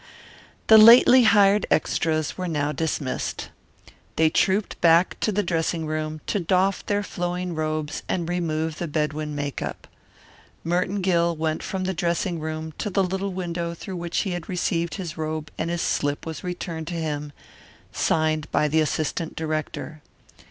The lately hired extras were now dismissed. They trooped back to the dressing room to doff their flowing robes and remove the Bedouin make up. Merton Gill went from the dressing room to the little window through which he had received his robe and his slip was returned to him signed by the assistant director.